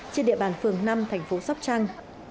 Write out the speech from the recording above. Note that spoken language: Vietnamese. trên địa bàn phường năm thành phố sóc trăng